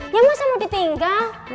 ya masa mau ditinggal